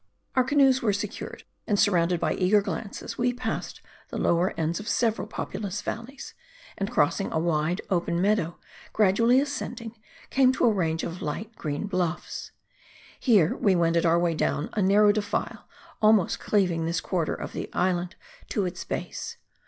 Our canoes were secured. And surrounded by eager glances, we passed the lower ends of several populous val leys ; and crossing a wide, open meadow, gradually ascend ing, came to a range of light green bluffs. Here, we wended our way down a narrow defile, almost cleaving this quarter of the island to its base.